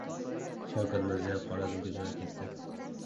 Shavkat Mirziyoyev Xorazmga jo‘nab ketdi